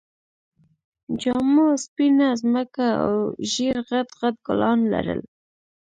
جامو سپينه ځمکه او ژېړ غټ غټ ګلان لرل